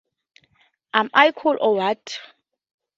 Am I Cool or What?